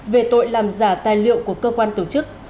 về tội làm giả tài liệu của cơ quan tổ chức